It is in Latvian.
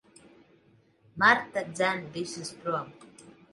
Marta dzen visus prom.